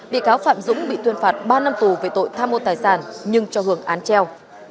bị cáo phạm dũng bị tuyên phạt ba năm tù về tội tham mô tài sản nhưng cho hưởng án treo